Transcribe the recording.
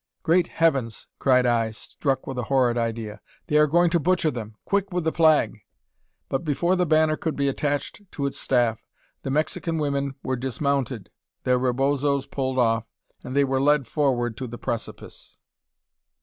"Great heavens!" cried I, struck with a horrid idea, "they are going to butcher them! Quick with the flag!" But before the banner could be attached to its staff, the Mexican women were dismounted, their rebozos pulled off, and they were led forward to the precipice.